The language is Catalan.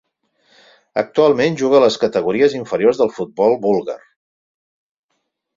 Actualment juga a les categories inferiors del futbol búlgar.